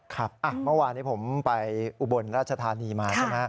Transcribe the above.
ครับมาว่านี้ผมไปอุบลราชธานีมา